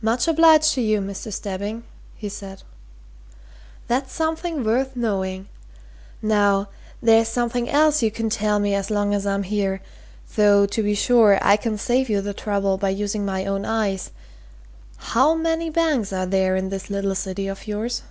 "Much obliged to you, Mr. Stebbing," he said. "That's something worth knowing. Now there's something else you can tell me as long as I'm here though, to be sure, I could save you the trouble by using my own eyes. How many banks are there in this little city of yours?"